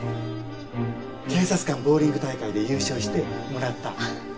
警察官ボウリング大会で優勝してもらった？